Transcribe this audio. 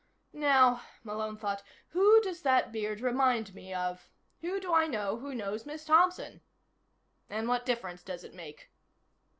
Now, Malone thought, who does that beard remind me of? Who do I know who knows Miss Thompson? And what difference does it make?